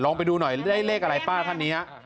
ไปดูหน่อยได้เลขอะไรป้าท่านนี้ฮะ